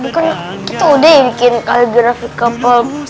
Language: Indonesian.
bukan gitu udah ya bikin kaligrafi kapal